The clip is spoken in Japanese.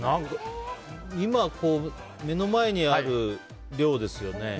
今、目の前にある量ですよね。